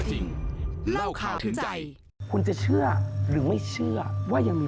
จริงเล่าข่าวถึงใจคุณจะเชื่อหรือไม่เชื่อว่ายังมี